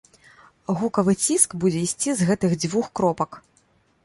Гукавы ціск будзе ісці з гэтых дзвюх кропак.